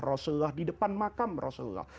rasulullah di depan makam rasulullah